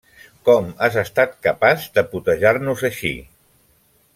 Com has estat capaç de putejar-nos així?